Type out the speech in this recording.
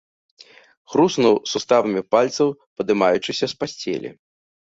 Хруснуў суставамі пальцаў, падымаючыся з пасцелі.